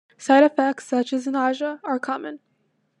Side effects such as nausea are common.